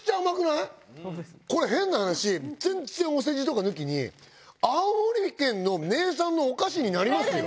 これ変な話全然お世辞とか抜きに青森県の名産のお菓子になりますよ。